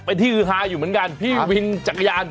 ไอ้ที่ฮายอยู่เหมือนกันพี่วินจักรยาน